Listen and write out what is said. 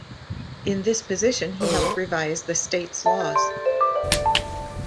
In this position he helped revise the state's laws.